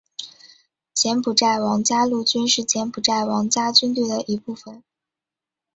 柬埔寨王家陆军是柬埔寨王家军队的一部分。